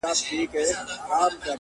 که بېله مينې د ليلا تصوير په خوب وويني_